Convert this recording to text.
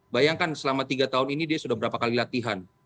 bayangkan selama tiga tahun ini dia sudah berapa kali latihan